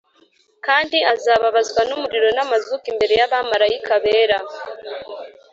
Kandi azababazwa n’umuriro n’amazuku imbere y’abamarayika bera,